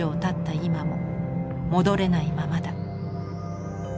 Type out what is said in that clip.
今も戻れないままだ。